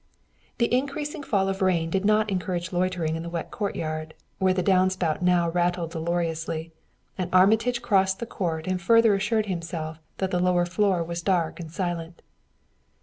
The increasing fall of rain did not encourage loitering in the wet courtyard, where the downspout now rattled dolorously, and Armitage crossed the court and further assured himself that the lower floor was dark and silent.